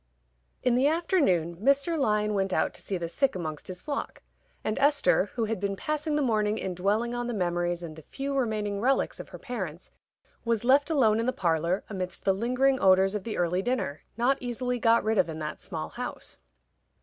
_ In the afternoon Mr. Lyon went out to see the sick amongst his flock, and Esther, who had been passing the morning in dwelling on the memories and the few remaining relics of her parents, was left alone in the parlor amidst the lingering odors of the early dinner, not easily got rid of in that small house.